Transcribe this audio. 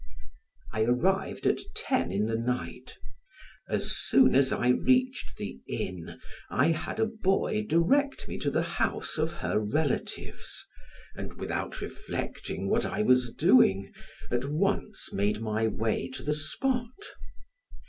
I arrived at ten in the night. As soon as I reached the inn I had a boy direct me to the house of her relatives, and, without reflecting what I was doing, at once made my way to the spot.